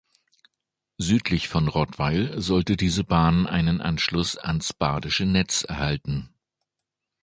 Südlich von Rottweil sollte diese Bahn einen Anschluss ans badische Netz erhalten.